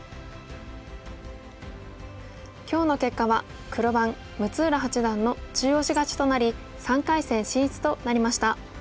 今日の結果は黒番六浦八段の中押し勝ちとなり３回戦進出となりました。